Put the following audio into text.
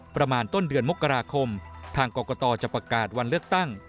ประมาณต้นเดือนมกราคมทางกรกตจะประกาศวันเลือกตั้ง